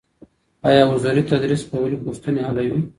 ايا حضوري تدريس فوري پوښتنې حلوي؟